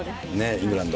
イングランド。